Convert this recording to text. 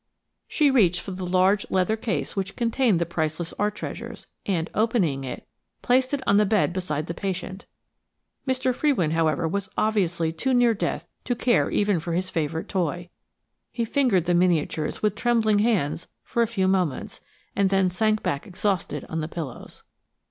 She reached for the large, leather case which contained the priceless art treasures, and, opening it, placed it on the bed beside the patient. Mr. Frewin, however, was obviously too near death to care even for his favourite toy. He fingered the miniatures with trembling hands for a few moments, and then sank back exhausted on the pillows.